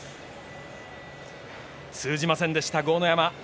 通じませんでした豪ノ山。